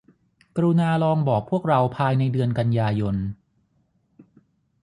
กรุณาลองบอกพวกเราภายในเดือนกันยายน